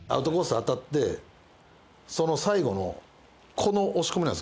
当たってその最後のこの押し込みなんです。